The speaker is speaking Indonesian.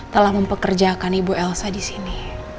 telah mempekerjakan ibu elsa di sini